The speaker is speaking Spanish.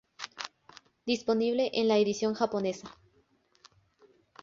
Disponible en la edición japonesa